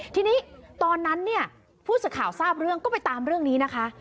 ทีนี้ตอนนั้นเนี่ยผู้สื่อข่าวทราบเรื่องก็ไปตามเรื่องนี้นะคะ